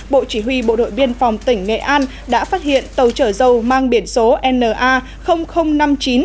bộ chỉ huy bộ đội biên phòng tỉnh nghệ an đã phát hiện tàu chở dầu mang biển số na năm mươi chín